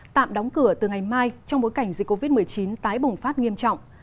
tạm đóng cửa từ ngày mai trong bối cảnh dịch covid một mươi chín tái bùng phát nghiêm trọng